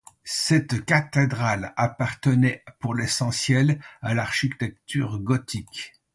Cette cathédrale appartenait pour l'essentiel à l'architecture gothique.